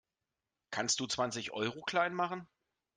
Kannst du zwanzig Euro klein machen?